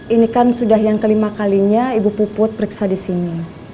ini kan sudah yang kelima kalinya ibu puput periksa di sini